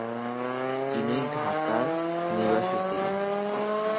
ইনি ঢাকার নিবাসী ছিলেন।